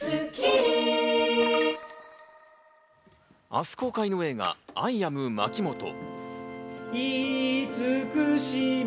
明日公開の映画『アイ・アムまきもと』。